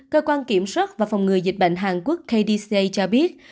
cơ quan kiểm soát và phòng ngừa dịch bệnh hàn quốc kdca cho biết